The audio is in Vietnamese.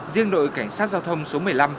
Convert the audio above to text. riêng đội cảnh sát giao thông số một mươi năm